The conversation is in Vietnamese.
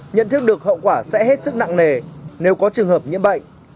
nhận thức được hậu quả sẽ hết sức nặng nề nếu có trường hợp nhiễm bệnh